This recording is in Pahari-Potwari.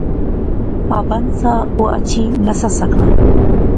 پابند سا، او اچھی نہسا سکنا